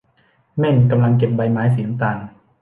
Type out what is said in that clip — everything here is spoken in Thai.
เม่นกำลังเก็บใบไม้สีน้ำตาล